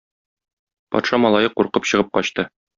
Патша малае куркып чыгып качты.